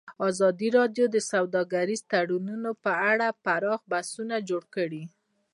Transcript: ازادي راډیو د سوداګریز تړونونه په اړه پراخ بحثونه جوړ کړي.